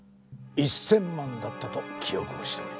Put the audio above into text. １０００万だったと記憶をしております。